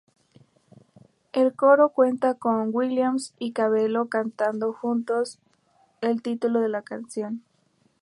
El coro cuenta con Williams y Cabello cantando juntos el título de la canción.